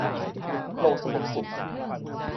โลกสงบสุข